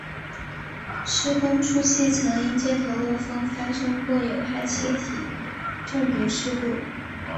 施工初期曾因接头漏风发生过有害气体中毒事故。